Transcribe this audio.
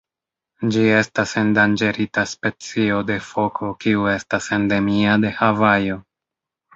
Ĝi estas endanĝerita specio de foko kiu estas endemia de Havajo.